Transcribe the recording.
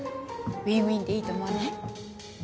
ウィンウィンでいいと思わない？